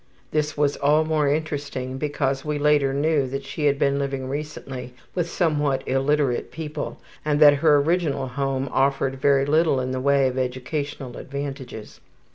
(This was all the more interesting because we later knew that she had been living recently with somewhat illiterate people and that her original home offered her very little in the way of educational advantages.)